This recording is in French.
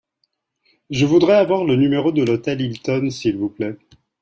Je voudrais avoir le numéro de l'hôtel Hilton, s'il vous plait.